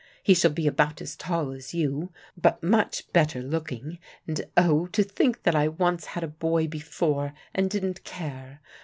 He shall be about as tall as you, but much better looking, and oh, to think that I once had a boy before, and didn't care!